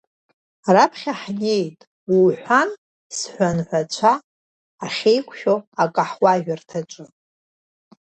Раԥхьа ҳнеиит уҳәан-сҳәанҳәацәа ахьеиқәшәо акаҳуажәырҭаҿ.